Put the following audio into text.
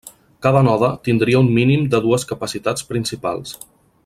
Cada node tindria un mínim de dues capacitats principals.